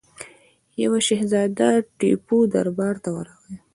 یوه شهزاده ټیپو دربار ته ورغی.